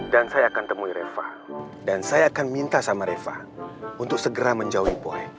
dan saya akan temui reva dan saya akan minta sama reva untuk segera menjauhi boy